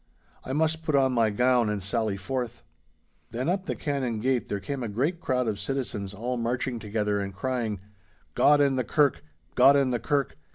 I must put on my gown and sally forth.' Then up the Canon gate there came a great crowd of citizens all marching together and crying, 'God and the Kirk! God and the Kirk!